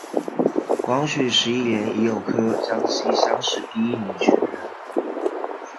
光绪十一年乙酉科江西乡试第一名举人。